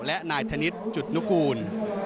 และนายธนิษฐ์จุดนุกูล